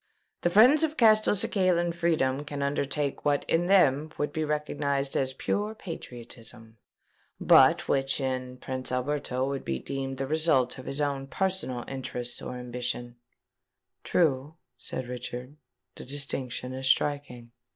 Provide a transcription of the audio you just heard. "The friends of Castelcicalan freedom can undertake what in them would be recognised as pure patriotism, but which in Prince Alberto would be deemed the result of his own personal interests or ambition." "True," said Richard: "the distinction is striking."